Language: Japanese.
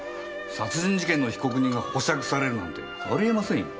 殺人事件の被告人が保釈されるなんてあり得ませんよ。